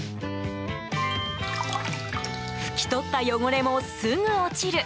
拭き取った汚れもすぐ落ちる！